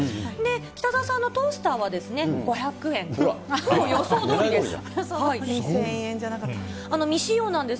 北澤さんのトースターはですね、５００円と、ほぼ予想どおりです。